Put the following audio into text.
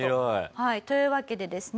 はいというわけでですね